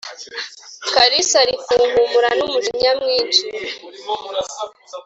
kalisa arikunkumura numujinya mwinshi